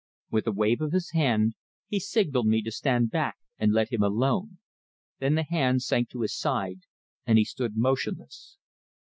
With a wave of his hand, he signalled me to stand back and let him alone. Then the hand sank to his side, and he stood motionless.